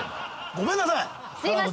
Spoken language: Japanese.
ごめんなさい！